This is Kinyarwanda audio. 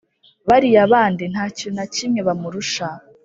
bariya bandi nta kintu na kimwe bamurusha